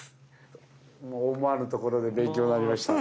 もう思わぬところで勉強になりました。